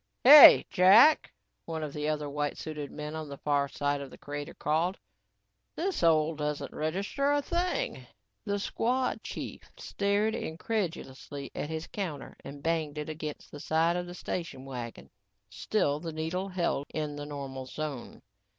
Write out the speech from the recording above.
"Hey, Jack," one of the other white suited men on the far side of the crater called, "this hole doesn't register a thing." The squad chief stared incredulously at his counter and banged it against the side of the station wagon. Still the needle held in the normal zone.